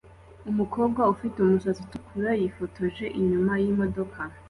Umukobwa ufite umusatsi utukura yifotoje inyuma yimodoka